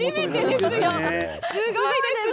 すごいですね。